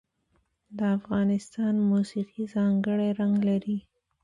د افغانستان موسیقي ځانګړی رنګ لري.